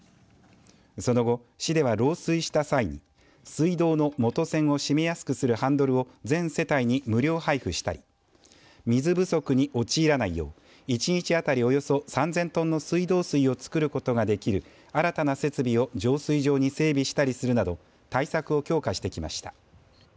その後、市では漏水した際に水道の元栓を閉めやすくするハンドルを全世帯に無料配布したり水不足に陥らないよう１日あたりおよそ３０００トンの水道水を作ることができる新たな設備を浄水場に整備したりするなど対策を強化してきました。